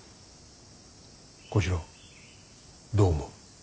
小四郎どう思う。